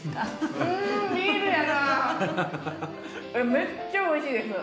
めっちゃ美味しいです！